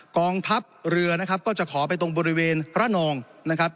กองทัพเรือนะครับก็จะขอไปตรงบริเวณระนองนะครับ